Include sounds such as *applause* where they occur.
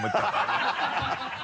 ハハハ *laughs*